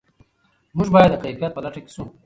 موږ باید د کیفیت په لټه کې شو.